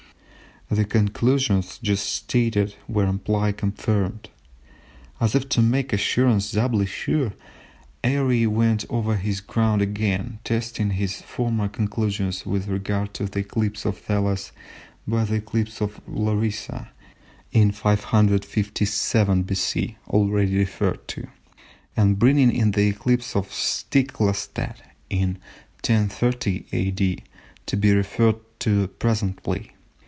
the conclusions just stated were amply confirmed. As if to make assurance doubly sure, Airy went over his ground again, testing his former conclusions with regard to the eclipse of Thales by the eclipse of Larissa, in 557 B.C. already referred to, and bringing in the eclipse of Stiklastad in 1030 A.D., to be referred to presently.